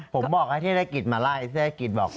ผมบอกให้เทศกิตมาไล่เทศกิตบอก